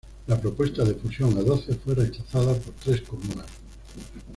La propuesta de fusión a doce fue rechazada por tres comunas.